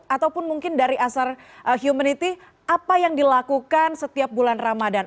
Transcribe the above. ataupun mungkin dari asal humanity apa yang dilakukan setiap bulan ramadhan